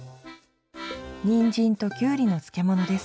にんじんときゅうりの漬物です。